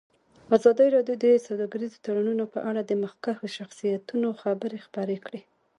ازادي راډیو د سوداګریز تړونونه په اړه د مخکښو شخصیتونو خبرې خپرې کړي.